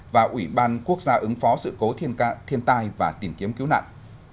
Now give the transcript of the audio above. và ủy ban quốc gia ứng phó sự cố thiên tai và tìm kiếm cứu nạn